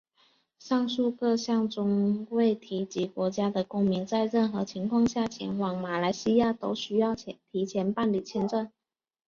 上述各项中未提及国家的公民在任何情况下前往马来西亚都需要提前办理签证。